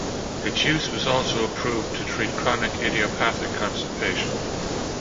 Its use was also approved to treat chronic idiopathic constipation.